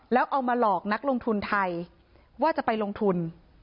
แล้วเอามาหลอกนักลงทุนไทยว่าจะไปลงทุน